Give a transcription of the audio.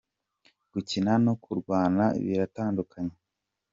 gukina no kurwana biratandukanye.